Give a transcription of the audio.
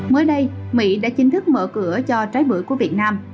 mới đây mỹ đã chính thức mở cửa cho trái bưởi của việt nam